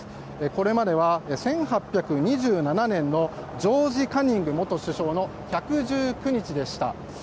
これまでは、１８２７年のジョージ・カニング元首相の１１９日でした。